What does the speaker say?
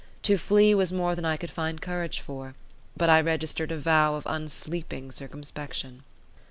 To flee was more than I could find courage for; but I registered a vow of unsleeping circumspection.